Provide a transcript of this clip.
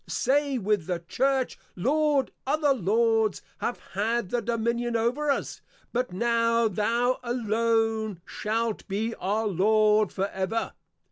_ Say with the Church, _Lord, other Lords have had the Dominion over us, but now thou alone shalt be our Lord for ever.